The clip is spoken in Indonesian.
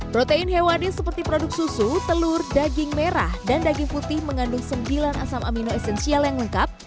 protein hewani seperti produk susu telur daging merah dan daging putih mengandung sembilan asam amino esensial yang lengkap